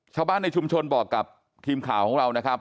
ชาวบ้านในชุมชนบอกกับทีมข่าวของเรานะครับ